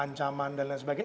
ancaman dan lain sebagainya